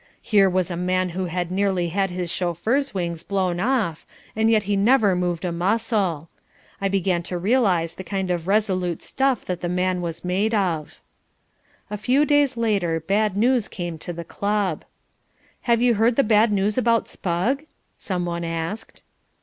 Here was a man who had nearly had his chauffeur's wings blown off and yet he never moved a muscle. I began to realize the kind of resolute stuff that the man was made of. A few days later bad news came to the club. "Have you heard the bad news about Spugg?" someone asked.